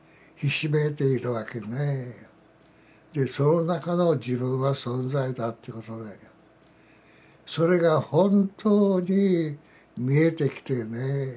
その中の自分は存在だってことでそれが本当に見えてきてね